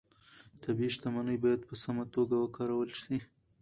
طبیعي شتمنۍ باید په سمه توګه وکارول شي